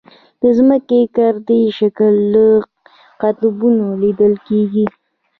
د ځمکې ګردي شکل له قطبونو لیدل کېږي.